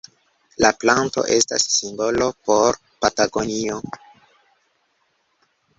La planto estas simbolo por Patagonio.